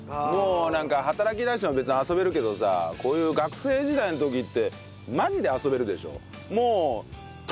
もうなんか働きだしても別に遊べるけどさこういう学生時代の時ってマジで遊べるでしょ。